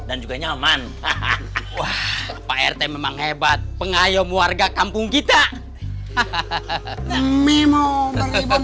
dan juga nyaman hahaha pak rt memang hebat pengayom warga kampung kita hahaha mimo beribun